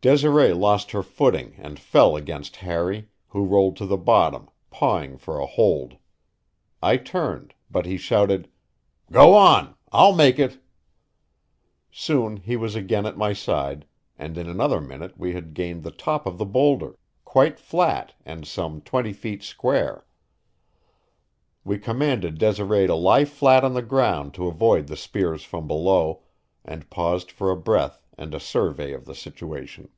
Desiree lost her footing and fell against Harry, who rolled to the bottom, pawing for a hold. I turned, but he shouted: "Go on; I'll make it!" Soon he was again at my side, and in another minute we had gained the top of the boulder, quite flat and some twenty feet square. We commanded Desiree to lie flat on the ground to avoid the spears from below, and paused for a breath and a survey of the situation.